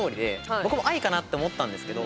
僕も「Ｉ」かなって思ったんですけど。